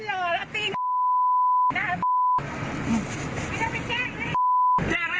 เออไปแจ้งเลย